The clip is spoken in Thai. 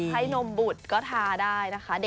ให้นมบุตรก็ทาได้นะคะ